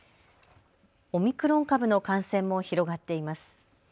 オミクロン株の感染も広がっています。